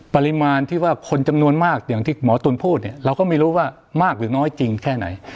ปริมาณที่ว่าคนจำนวนมากอย่างที่หมอตุ๋นพูดเนี่ยเราก็ไม่รู้ว่ามากหรือน้อยจริงแค่ไหน